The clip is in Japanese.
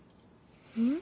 うん？